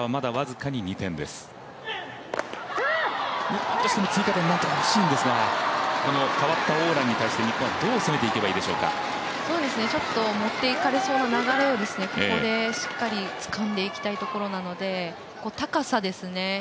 日本としても、追加点、なんとかしても欲しいんですがこの代わったオーラに対して日本、どう対応していけばいいでしょうか。持っていかれそうな流れをここでつかんでいきたいところなので高さですね。